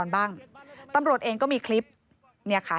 ผมมีงานต้องทำเหมือนคุณ